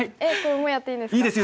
もうやっていいんですか？